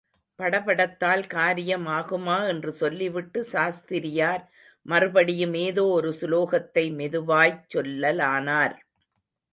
படபடத்தால் காரியம் ஆகுமா? என்று சொல்லிவிட்டு, சாஸ்திரியார் மறுபடியும் ஏதோ ஒரு சுலோகத்தை மெதுவாய்ச் சொல்லலானார்.